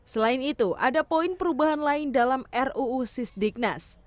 selain itu ada poin perubahan lain dalam ruu sisdiknas